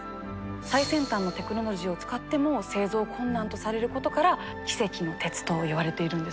最先端のテクノロジーを使っても製造困難とされることから「奇跡の鉄」といわれているんです。